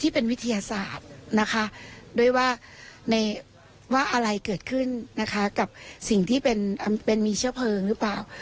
เป็นมีเชื้อเพลิงหรือเปล่า